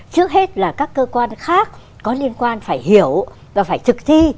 trước hết là các cơ quan khác có liên quan phải hiểu và phải thực thi